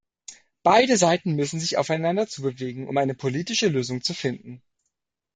Beide Seiten müssen sich aufeinander zubewegen, um eine politische Lösung zu finden.